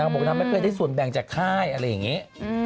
บอกนางไม่เคยได้ส่วนแบ่งจากค่ายอะไรอย่างนี้